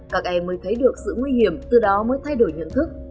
các em mới thấy được sự nguy hiểm từ đó mới thay đổi nhận thức